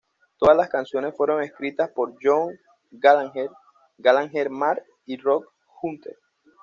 Todas las canciones fueron escritas por John Gallagher, Gallagher Mark y Rob Hunter